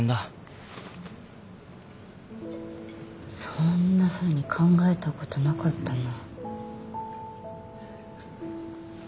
そんなふうに考えた事なかったな。